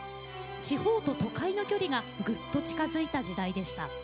地方と都会の距離がぐっと近づいた時代でした。